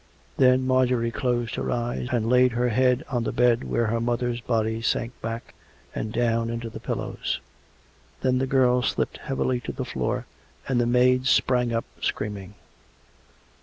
... Then Marjorie closed her eyes, and laid her head on the bed where her mother's body sank back and down into the , COME RACK! COME ROPE! Ipl pillows. Then the girl slipped heavily to the floor, and the maids sprang up screaming.